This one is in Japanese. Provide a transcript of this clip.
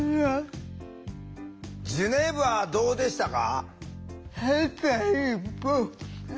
ジュネーブはどうでしたか？